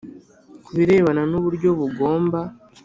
Ku birebana n uburyo bugomba